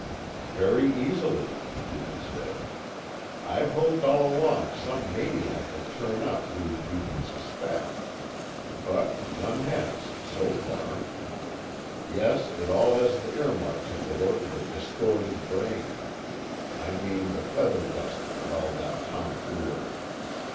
"Very easily," Keeley said. "I've hoped all along some maniac would turn up whom we could suspect. But none has, so far. Yes, it all has the earmarks of the work of a distorted brain, I mean the feather duster and all that tomfoolery.